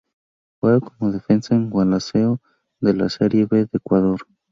Juega como defensa en Gualaceo de la Serie B de Ecuador.